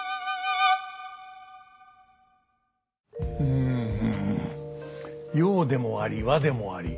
うん洋でもあり和でもあり。